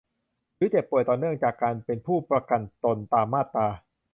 หรือเจ็บป่วยต่อเนื่องจากการเป็นผู้ประกันตนตามมาตรา